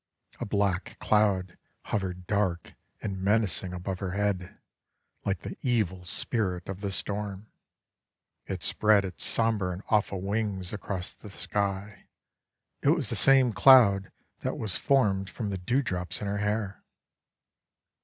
A black Cloud hovered dark and menacing above her head, like the Evil Spirit of the Storm. It spread its sombre and awful wings across the sky. It was the same cloud that was formed from the dewdrops in her hair.